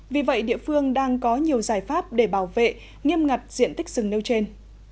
vì vậy địa phương đang có nhiều giải pháp để bảo vệ nghiêm ngặt diện tích rừng nêu trên